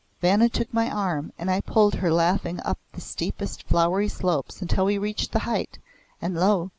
Vanna took my arm and I pulled her laughing up the steepest flowery slopes until we reached the height, and lo!